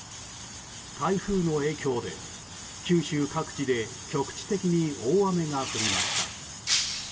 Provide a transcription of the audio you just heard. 台風の影響で九州各地で局地的に大雨が降りました。